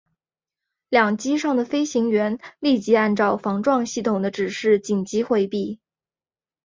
两机上的飞行员立即按照防撞系统的指示紧急回避。